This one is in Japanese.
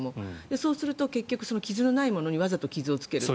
そうすると、結局傷のないものにわざと傷をつける。